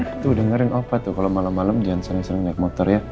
itu udah ngeri ngopat tuh kalau malam malam jangan sering sering naik motor ya